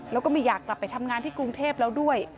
แล้วก็ไม่อยากกลับไปทำงานที่กรุงเทพแล้วด้วย